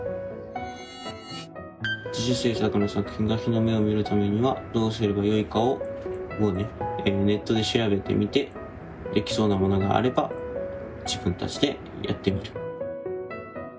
自主制作の作品が日の目を見るためにはどうすればよいかをネットで調べてみてできそうなものがあれば自分たちでやってみる。